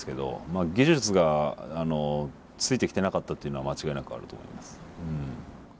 あ技術がついてきてなかったっていうのは間違いなくあると思います。